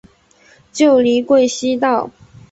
旧隶贵西道。